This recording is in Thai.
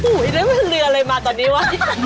อุ๊ยได้ไม่เหลืออะไรมาตอนนี้ว่ะ